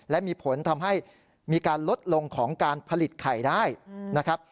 และมีผลทำให้มีการลดลงของการผลิตไข่ได้นะครับ